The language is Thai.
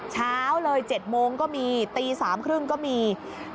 เช้าเลย๗โมงก็มีตี๓๓๐ก็มี